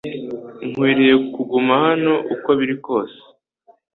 Nkwiye kuguma hano uko biri kose